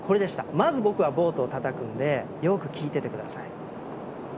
まず僕はボートをたたくのでよく聞いてて下さい。